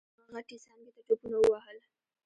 هغه غټې څانګې ته ټوپونه ووهل.